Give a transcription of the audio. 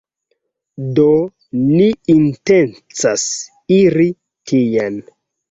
Do, ni intencas iri tien.